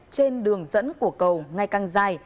trên đường dẫn của cầu ngày càng dài